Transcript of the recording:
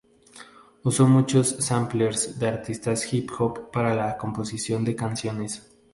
Usó muchos samplers de artistas Hip Hop para la composición de canciones.